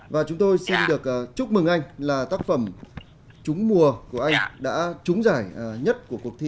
và chúng tôi xin được chúc mừng anh là tác phẩm trúng mùa của anh đã trúng giải nhất của cuộc thi